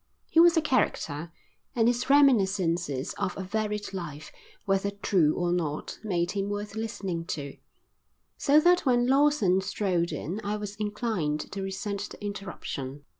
He was a character, and his reminiscences of a varied life, whether true or not, made him worth listening to, so that when Lawson strolled in I was inclined to resent the interruption.